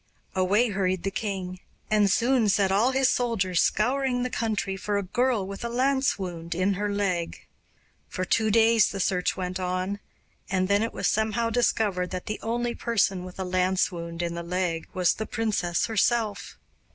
Away hurried the king, and soon set all his soldiers scouring the country for a girl with a lance wound in her left. For two days the search went on, and then it was somehow discovered that the only person with a lance wound in the leg was the princess herself.